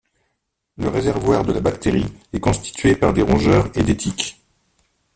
Le réservoir de la bactérie est constitué par des rongeurs et des tiques.